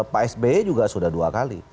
pak sby juga sudah dua kali